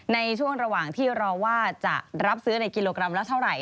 ในช่วงระหว่างที่รอว่าจะรับซื้อในกิโลกรัมละเท่าไหร